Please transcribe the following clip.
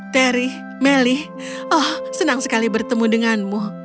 terry melly oh senang sekali bertemu denganmu